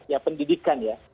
ya pendidikan ya